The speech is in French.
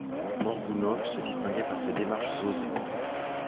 Morgounov se distinguait par ses démarches osées.